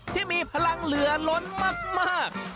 ที่มีพลังเหลือล้นมาก